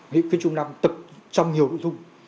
hội nghị trung mương năm tự trong nhiều nội dung